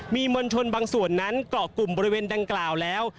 มีมวลชนบางส่วนนั้นเกาะกลุ่มบริเวณดังกล่าวแล้ว